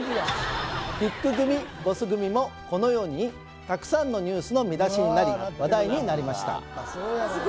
「ＢＩＧ組」「ＢＯＳＳ組」もこのようにたくさんのニュースの見出しになり話題になりました